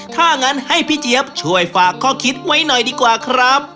ถ้างั้นให้พี่เจี๊ยบช่วยฝากข้อคิดไว้หน่อยดีกว่าครับ